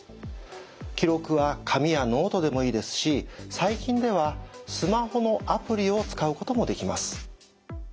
記録は紙やノートでもいいですし最近ではスマホのアプリを使うこともできます。